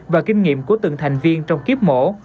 và kinh nghiệm của từng thành viên trong kiếp mổ